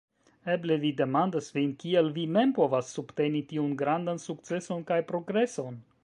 Eble vi demandas vin, kiel vi mem povas subteni tiun grandan sukceson kaj progreson.